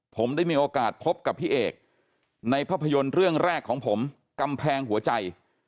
ผมได้มีโอกาสพบกับพี่เอกในภาพยนตร์เรื่องแรกของผมกำแพงหัวใจ